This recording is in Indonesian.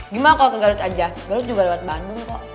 gimana kalau ke garut aja garut juga lewat bandung kok